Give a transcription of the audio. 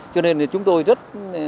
cho nên chúng tôi rất